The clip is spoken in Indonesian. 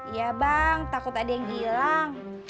ya bang takut ada yang hilang